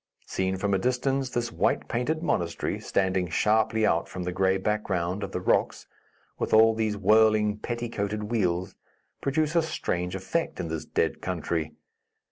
Seen from a distance this white painted monastery, standing sharply out from the gray background of the rocks, with all these whirling, petticoated wheels, produce a strange effect in this dead country.